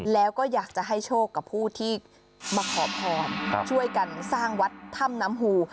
แล้วก็อยากจะให้โชคกับผู้ที่มาขอพรช่วยกันสร้างวัดถ้ำน้ำหู